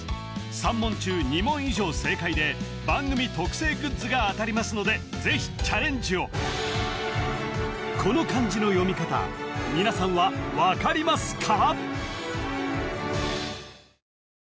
３問中２問以上正解で番組特製グッズが当たりますのでぜひチャレンジをこの漢字の読み方皆さんは分かりますか？